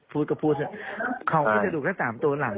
พูดก็พูดเขาก็จะดูแค่๓ตัวหลัง